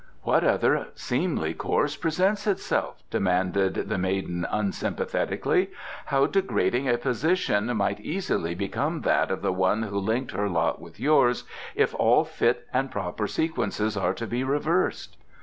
"What other seemly course presents itself?" demanded the maiden unsympathetically. "How degrading a position might easily become that of the one who linked her lot with yours if all fit and proper sequences are to be reversed!